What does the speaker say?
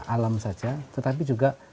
alam saja tetapi juga